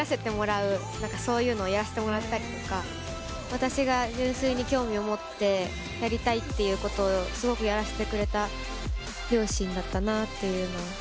私が純粋に興味を持ってやりたいっていうことをすごくやらせてくれた両親だったなっていうのを。